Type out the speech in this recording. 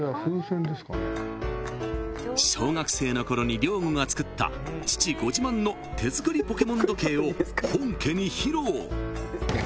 ［小学生のころに亮吾が作った父ご自慢の手作りポケモン時計を本家に披露］